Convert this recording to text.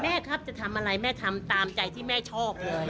ครับจะทำอะไรแม่ทำตามใจที่แม่ชอบเลย